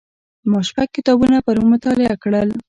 ما شپږ کتابونه پرون مطالعه کړل.